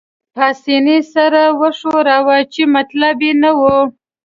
پاسیني سر وښوراوه، چې مطلب يې نه وو.